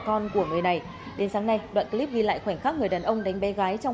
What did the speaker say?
con của người này đến sáng nay đoạn clip ghi lại khoảnh khắc người đàn ông đánh bé gái trong